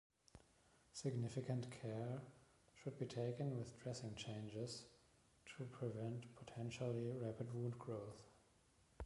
Significant care should be taken with dressing changes to prevent potentially rapid wound growth.